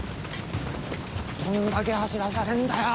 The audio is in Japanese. どんだけ走らされんだよ。